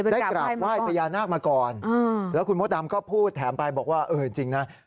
กราบไหว้พญานาคมาก่อนแล้วคุณมดดำก็พูดแถมไปบอกว่าเออจริงนะ